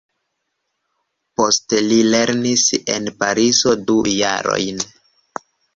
Poste li lernis en Parizo du jarojn.